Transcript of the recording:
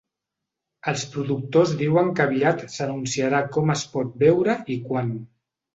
Els productors diuen que aviat s’anunciarà com es pot veure i quan.